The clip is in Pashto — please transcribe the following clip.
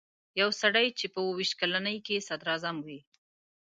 یو سړی چې په اووه ویشت کلنۍ کې صدراعظم وي.